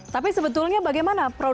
tapi sebetulnya bagaimana